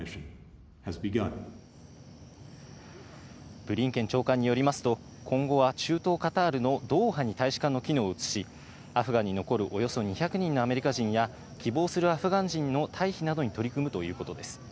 ブリンケン長官によりますと、今後は中東・カタールのドーハに大使館の機能を移し、アフガニ残るおよそ２００人のアメリカ人や、希望するアフガン人の退避などに取り組むということです。